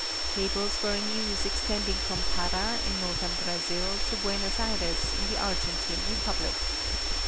Cables were in use extending from Para in northern Brazil to Buenos Ayres in the Argentine Re public.